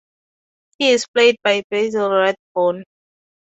He is played by Basil Rathbone.